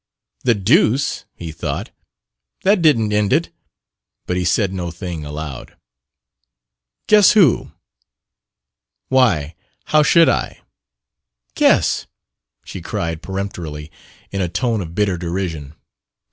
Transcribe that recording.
"The deuce!" he thought. "That didn't end it!" But he said no thing aloud. "Guess who!" "Why, how should I ?" "Guess!" she cried peremptorily, in a tone of bitter derision.